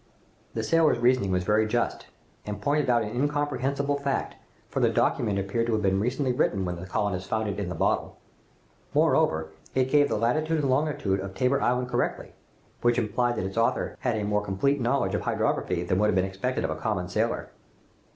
The sailor's reasoning was very just, and pointed out an incomprehensible fact, for the document appeared to have been recently written, when the colonists found it in the bottle. Moreover, it gave the latitude and longitude of Tabor Island correctly, which implied that its author had a more complete knowledge of hydrography than could be expected of a common sailor.